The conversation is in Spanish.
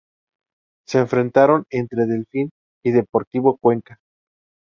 Se enfrentaron entre Delfín y Deportivo Cuenca.